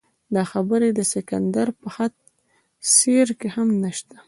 دا خبرې د سکندر په خط سیر کې هم شته.